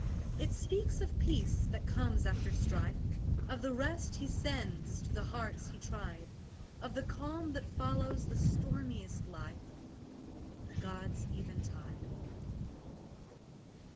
It speaks of peace that comes after strife, Of the rest He sends to the hearts He tried, Of the calm that follows the stormiest life God's eventide.